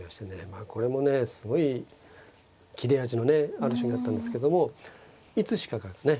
まあこれもねすごい切れ味のねある将棋だったんですけどもいつしかからね